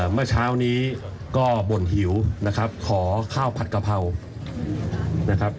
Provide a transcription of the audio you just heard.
เมื่อเช้านี้ก็บ่นหิวนะครับขอข้าวผัดกะเพรานะครับ